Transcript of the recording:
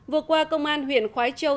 vừa qua công an huyện khói châu